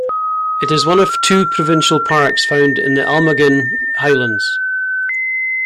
It is one of two provincial parks found in the Almaguin Highlands.